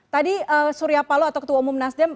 tadi surya paloh atau ketua umum nasdem